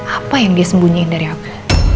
apa yang dia sembunyiin dari aku